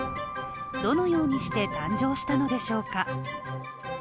どのようにして誕生したのでしょうか。